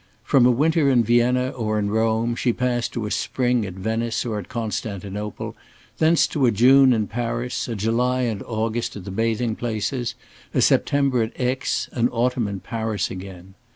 From a winter in Vienna or in Rome she passed to a spring at Venice or at Constantinople, thence to a June in Paris, a July and August at the bathing places, a September at Aix, an autumn in Paris again.